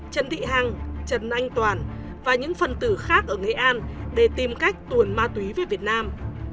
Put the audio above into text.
trần thị hằng trần anh toàn và những phần tử khác ở nghệ an để tìm cách tuồn ma túy về việt nam